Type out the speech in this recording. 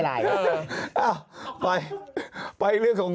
ทางขาว